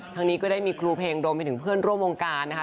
นี้ก็ได้มีครูเพลงรวมไปถึงเพื่อนร่วมวงการนะคะ